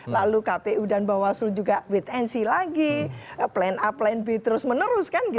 lalu kpu dan bawaslu juga wait and see lagi plan a plan b terus menerus kan gitu